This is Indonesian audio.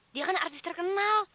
dia kan artis terkenal